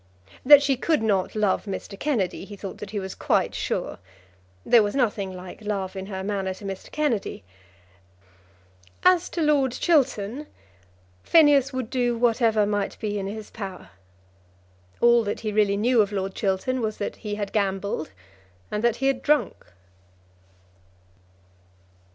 That she could not love Mr. Kennedy, he thought that he was quite sure. There was nothing like love in her manner to Mr. Kennedy. As to Lord Chiltern, Phineas would do whatever might be in his power. All that he really knew of Lord Chiltern was that he had gambled and that he had drunk.